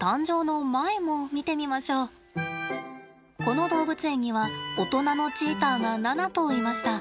この動物園にはおとなのチーターが７頭いました。